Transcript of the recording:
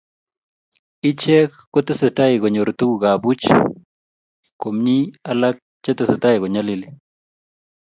Ichek ko tesetai konyoru tuguk ab puch komie alak che tesetai konyalili